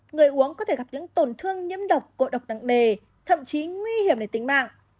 người uống có thể gặp những tổn thương nhiễm độc ngộ độc nặng nề thậm chí nguy hiểm đến tính mạng